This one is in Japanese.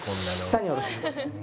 下に下ろします。